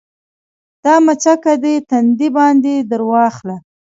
دا مچکه دې تندي باندې درواخله